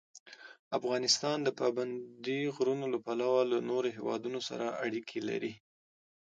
افغانستان د پابندی غرونه له پلوه له نورو هېوادونو سره اړیکې لري.